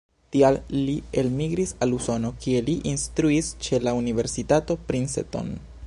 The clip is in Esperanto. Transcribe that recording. Tial li elmigris al Usono, kie li instruis ĉe la universitato Princeton.